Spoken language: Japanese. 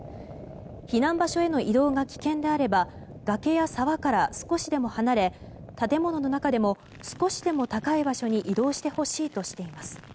避難場所への移動が危険であれば崖や沢から少しでも離れ建物の中でも少しでも高い場所に移動してほしいとしています。